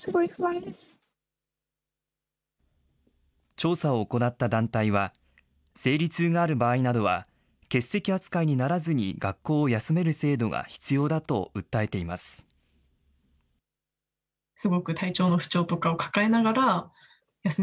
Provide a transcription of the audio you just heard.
調査を行った団体は、生理痛がある場合などは、欠席扱いにならずに学校を休める制度が必要だと訴えています。